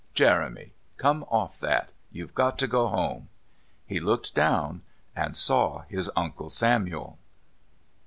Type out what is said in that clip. Jeremy. Come off that. You've got to go home." He looked down and saw his Uncle Samuel.